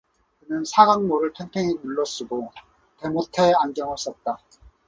그는 사각모를 팽팽히 눌러 쓰고 대모테 안경을 썼다.